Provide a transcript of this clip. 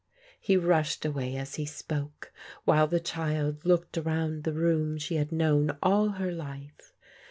He rushed away as he spoke, while the child looked around the room she had known all her life.